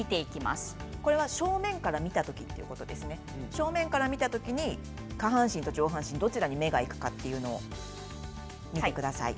正面から見た時に下半身と上半身どちらに目がいくかというのを見てください。